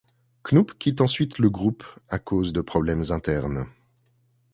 Knupp quitte ensuite le groupe à cause de problèmes internes.